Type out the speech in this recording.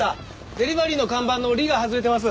デリバリーの看板の「リ」が外れてます。